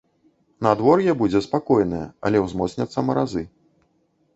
Надвор'е будзе спакойнае, але ўзмоцняцца маразы.